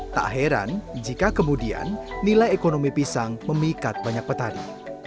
tak heran jika kemudian nilai ekonomi pisang memikat banyak petani